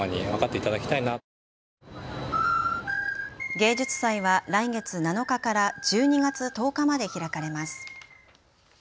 芸術祭は来月７日から１２月１０日まで開かれます。